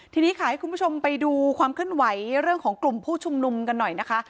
ทีนี้ค่ะให้คุณผู้ชมไปดูความเคลื่อนไหวเรื่องของกลุ่มผู้ชุมนุมกันหน่อยนะคะ